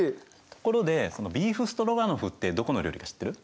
ところでそのビーフストロガノフってどこの料理か知ってる？